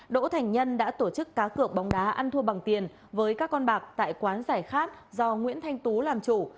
đỗ thành nhân đã tổ chức cá cược bóng đá ăn thua bằng tiền với các con bạc tại quán giải khát do nguyễn thanh tú làm chủ